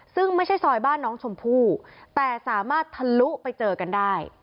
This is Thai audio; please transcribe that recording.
ซึ่งไม่ใช่ซอยบ้านน้องชมพู่แต่สามารถทะลุไปเจอกันได้